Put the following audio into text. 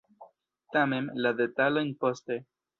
Tamen, la detalojn poste.